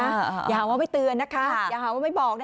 อย่าหาว่าไม่เตือนนะคะอย่าหาว่าไม่บอกนะ